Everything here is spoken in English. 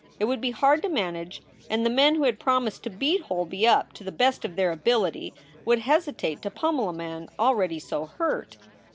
It would be hard to manage and the men who had promised to beat Holby up to the best of their ability would hesitate to pummel a man already so hurt.